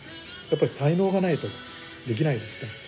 やっぱり才能がないとできないですね。